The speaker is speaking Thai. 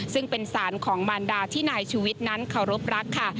ซึ่งเป็นสารของมารดาที่นายชูวิทย์นั้นเคารพรักค่ะ